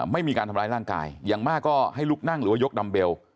ไม่มีการทำร้ายร่างกายอย่างมากก็ให้ลุกนั่งหรือว่ายกดัมเบล